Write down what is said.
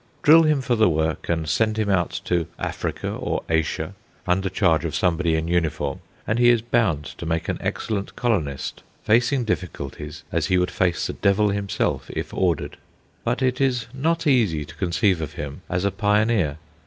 Drill him for the work and send him out to Africa or Asia under charge of somebody in uniform, and he is bound to make an excellent colonist, facing difficulties as he would face the devil himself, if ordered. But it is not easy to conceive of him as a pioneer.